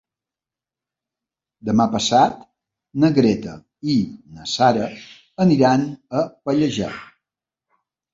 Demà passat na Greta i na Sara aniran a Pallejà.